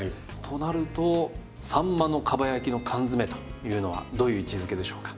となるとさんまのかば焼きの缶詰というのはどういう位置づけでしょうか。